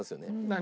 何？